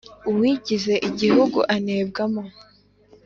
Uwigize igihuru anebwamo.